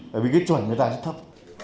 bởi vì cái chuẩn người ta rất thấp